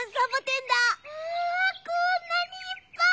こんなにいっぱい！